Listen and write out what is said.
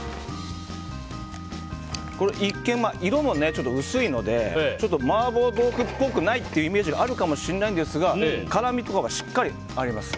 一見、色も薄いので麻婆豆腐っぽくないっていうイメージがあるかもしれないですが辛味もしっかりあります。